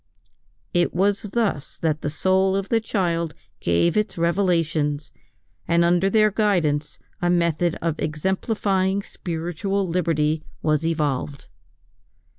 It was thus that the soul of the child gave its revelations, and under their guidance a method exemplifying spiritual liberty was evolved.